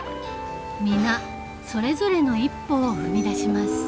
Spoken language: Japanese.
皆それぞれの一歩を踏み出します。